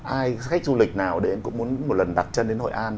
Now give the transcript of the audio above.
ai khách du lịch nào đến cũng muốn một lần đặt chân